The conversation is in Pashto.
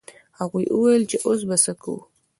هغوی وویل چې اوس به څه کوو.